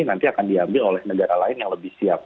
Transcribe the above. nanti akan diambil oleh negara lain yang lebih siap